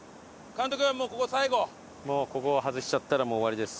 ここを外しちゃったらもう終わりです。